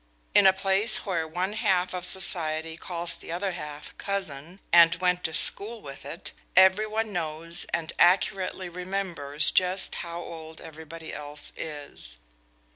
In a place where one half of society calls the other half cousin, and went to school with it, every one knows and accurately remembers just how old everybody else is.